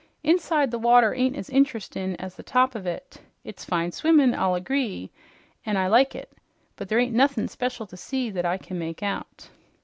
Inside the water ain't as interestin' as the top of it. It's fine swimmin', I'll agree, an' I like it, but there ain't nuthin' special to see that I can make out."